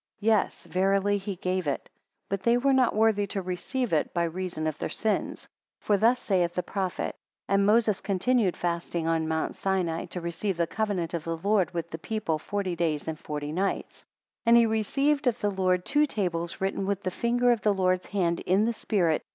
Yes, verily, he gave it; but they were not worthy to receive it by reason of their sins. 12 For thus saith the prophet And Moses continued fasting in mount Sinai, to receive the covenant of the Lord with the people, forty days and forty nights. 13 And he received of the Lord two tables written with the finger of the Lord's hand, in the Spirit.